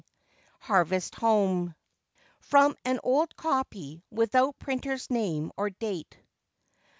HARVEST HOME. [FROM an old copy without printer's name or date.